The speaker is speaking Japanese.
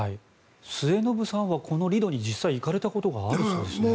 末延さんはこのリドに実際に行かれたことがあるそうですね。